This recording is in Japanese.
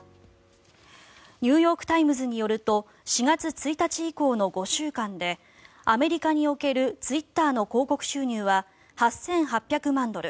ニューヨーク・タイムズによると４月１日以降の５週間でアメリカにおけるツイッターの広告収入は８８００万ドル